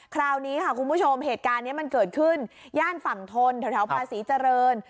คราวนี้ค่ะคุณผู้ชมเหตุการณ์นี้มันเกิดขึ้นย่านฝั่งทนแถวภาษีเจริญ